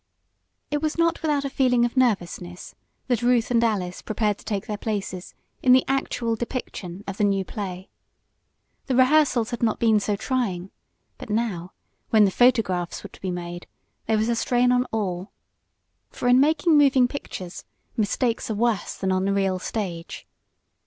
It was not without a feeling of nervousness that Ruth and Alice prepared to take their places in the actual depiction of the new play. The rehearsals had not been so trying; but now, when the photographs were to be made, there was a strain on all. For in making moving pictures mistakes are worse than on the real stage.